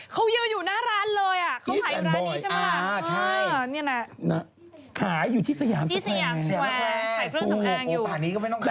ขายอยู่ที่สยามแสงแสงแวร์ขายเครื่องสำแอมทางนี้ก็ไม่ต้องขายเลย